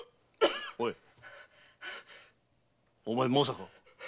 おいお前まさか？